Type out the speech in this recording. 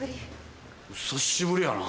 久しぶりやな。